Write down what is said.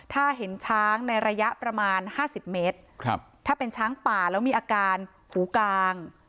ถ้าเห็นช้างในระยะประมาณ๕๐เมตรถ้าเป็นช้างป่าแล้วมีอาการหูกลาง